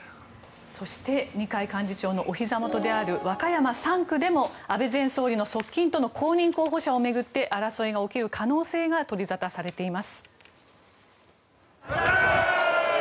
そして、二階幹事長のおひざ元である和歌山３区でも安倍前総理の側近との公認候補者を巡って争いが起きる可能性が取り沙汰されています。